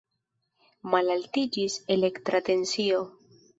Malaltiĝis elektra tensio.